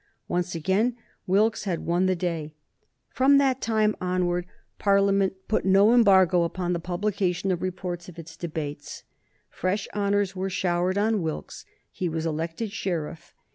Once again Wilkes had won the day. From that time forward Parliament put no embargo upon the publication of reports of its debates. Fresh honors were showered on Wilkes. He was elected sheriff.